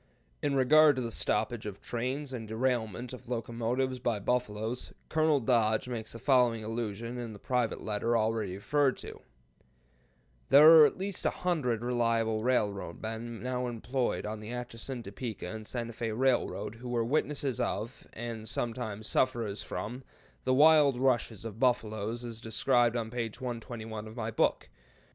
In regard to the stoppage of trains and derailment of locomotives by buffaloes, Colonel Dodge makes the following allusion in the private letter already referred to: "There are at least a hundred reliable railroad men now employed on the Atchison, Topeka and Santa Fé Railroad who were witnesses of, and sometimes sufferers from, the wild rushes of buffalo as described on page 121 of my book.